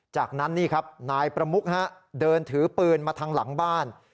จากนั้นนี่ครับนายประมุกเดินถือปืนมาทางหลังบ้าน